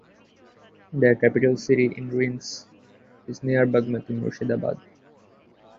Their capital city in ruins is near Bagmati (Murshidabad).